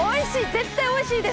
絶対おいしいです！